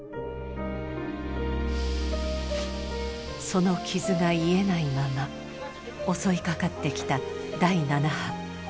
その傷が癒えないまま襲いかかってきた第７波。